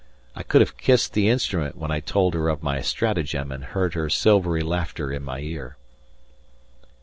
I could have kissed the instrument when I told her of my stratagem and heard her silvery laughter in my ear.